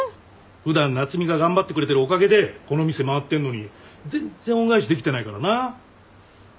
普段夏海が頑張ってくれてるおかげでこの店回ってんのに全然恩返しできてないからな。